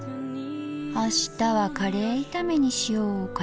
あしたはカレー炒めにしようかなあ。